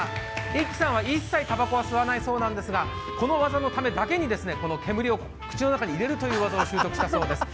Ｉｋｋｉさんは一切たばこは吸わないそうなんですが、この技のためだけに煙を口の中に入れるという技を習得したそうです。